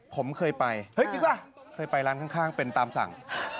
ผมเคยไปเฮ้ยจริงป่ะเคยไปร้านข้างเป็นตามสั่ง